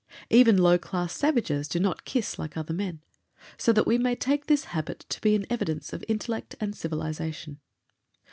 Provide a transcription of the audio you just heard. Even low class savages do not kiss like other men; so that we may take this habit to be an evidence of intellect and civilization.